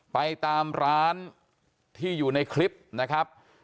ไปตามร้านที่อยู่ในคลิปนะครับ